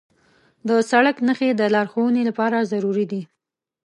د سړک نښې د لارښوونې لپاره ضروري دي.